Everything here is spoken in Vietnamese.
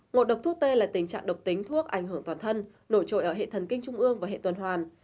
ngộ độc thuốc t là tình trạng độc tính thuốc ảnh hưởng toàn thân nổi trội ở hệ thần kinh trung ương và hệ tuần hoàn